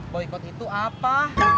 boykot itu apa